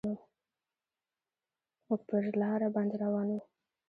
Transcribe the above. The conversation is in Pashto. موږ پر لاره باندې روان وو.